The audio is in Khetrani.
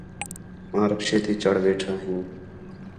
آں رکشے تی چڑھ ویٹھا ہیں